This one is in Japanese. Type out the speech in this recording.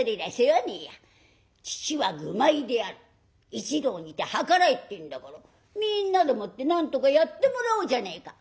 一同にて計らえ』っていうんだからみんなでもってなんとかやってもらおうじゃねえか」。